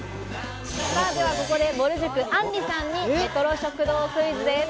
ここで、ぼる塾・あんりさんにレトロ食堂クイズです。